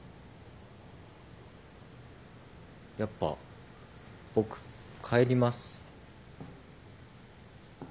やっぱ僕帰ります。